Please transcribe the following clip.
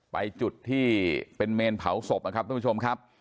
ไปจุดที่เป็นเมนเผาศพนะครับทุกผู้ชมครับ